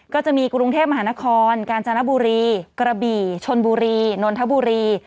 ก็จะมีกรุงเทพมหานครกาญจนบุรีกระบี่ชนบุรีนนทบุรี